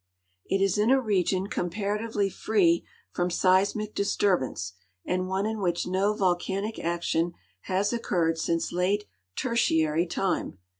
It is in a region comparatively free from seismic disturb ance and one in which no volcanic action has occurred since late Tertiary time.